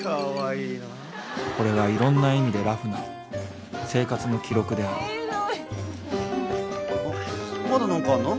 これはいろんな意味で『ラフ』な生活の記録である「まだ何かあるの？」。